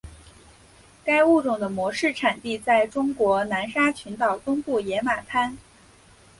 该物种的模式产地在中国南沙群岛东部野马滩。